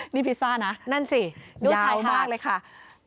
นี่พิซซ่าน่ะยาวมากเลยค่ะนั่นสิดูใส่ฮาด